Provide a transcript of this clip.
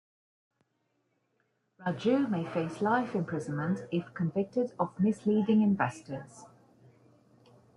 Raju may face life imprisonment if convicted of misleading investors.